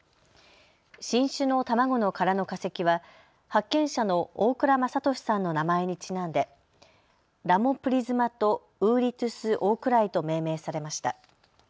新種の卵の殻の化石は発見者の大倉正敏さんの名前にちなんでラモプリズマトウーリトゥス・オオクライと命名されました。